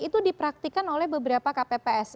itu di praktikan oleh beberapa kpps